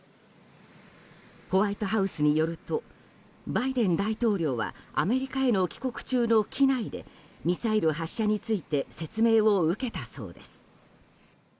ホワイトハウスによるとバイデン大統領はアメリカへの帰国中の機内でミサイル発射について説明を受けたそうです。